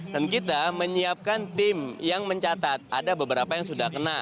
dan kita menyiapkan tim yang mencatat ada beberapa yang sudah kena